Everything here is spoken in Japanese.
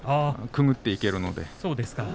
くぐっていけますのでね。